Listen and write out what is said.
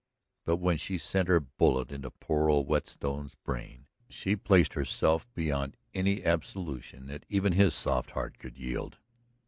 But when she sent her bullet into poor old Whetstone's brain, she placed herself beyond any absolution that even his soft heart could yield.